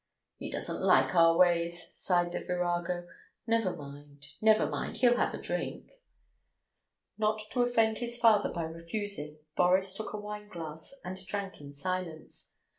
"He doesn't like our ways," sighed the "virago." "Never mind, never mind, he'll have a drink." Not to offend his father by refusing, Boris took a wineglass and drank in silence.